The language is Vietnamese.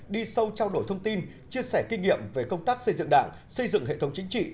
đi sâu trao đổi thông tin chia sẻ kinh nghiệm về công tác xây dựng đảng xây dựng hệ thống chính trị